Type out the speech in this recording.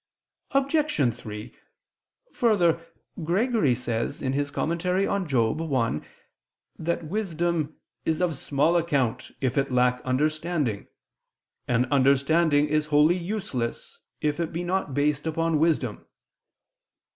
Obj. 3: Further, Gregory says (Moral. i) that wisdom "is of small account if it lack understanding, and understanding is wholly useless if it be not based upon wisdom